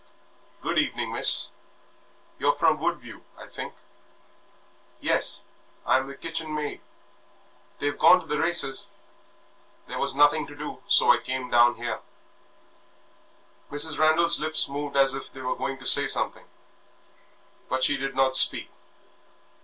"Good evening, Miss. You're from Woodview, I think?" "Yes, I'm the kitchen maid. They've gone to the races; there was nothing to do, so I came down here." Mrs. Randal's lips moved as if she were going to say something. But she did not speak.